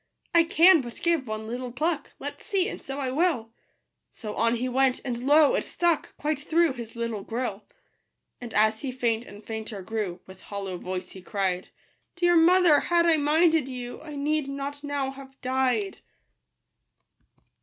I can but give one little pluck : Let's see, and so I will." So on he went ; and lo ! it stuck Quite through his little gill. And as he faint and fainter grew, With hollow voice he cried, " Dear mother, had I minded you, I need not now have died."